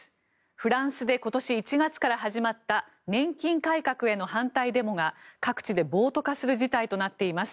フランスで今年１月から始まった年金改革への反対デモが各地で暴徒化する事態となっています。